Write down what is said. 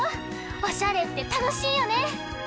おしゃれってたのしいよね！